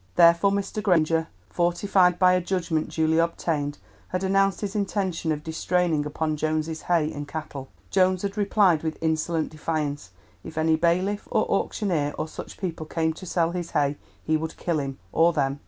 Therefore Mr. Granger, fortified by a judgment duly obtained, had announced his intention of distraining upon Jones's hay and cattle. Jones had replied with insolent defiance. If any bailiff, or auctioneer, or such people came to sell his hay he would kill him, or them.